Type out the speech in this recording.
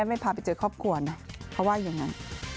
ยังไงพาไปเจอครอบครัวสินะเพราะว่าอย่างนั้น